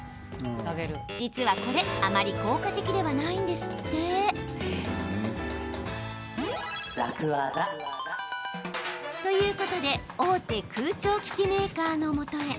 実はこれあまり効果的ではないんですって。ということで大手空調機器メーカーの元へ。